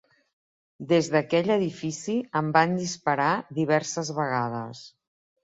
Des d'aquell edifici em van disparar diverses vegades.